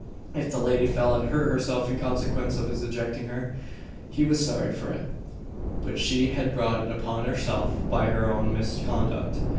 If the lady fell and hurt herself in consequence of his ejecting her, he was sorry for it; but she had brought it upon herself by her own misconduct.